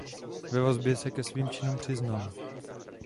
Ve vazbě se ke svým činům přiznal.